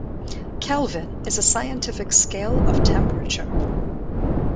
Kelvin is a scientific scale of temperature.